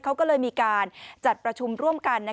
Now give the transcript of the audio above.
เขาก็เลยมีการจัดประชุมร่วมกัน